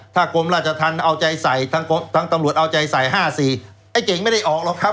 ถ้ากรมราชธรรมเอาใจใส่ทั้งตำรวจเอาใจใส่๕๔ไอ้เก่งไม่ได้ออกหรอกครับ